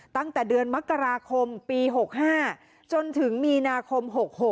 ตั้งแต่เดือนมกราคมปี๖๕จนถึงมีนาคม๖๖